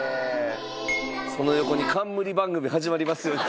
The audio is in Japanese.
その横に「冠番組はじまりますように」。